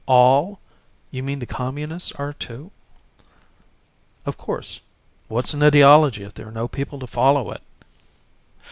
"All? You mean the Communists are, too?" "Of course. What's an ideology if there are no people to follow it?"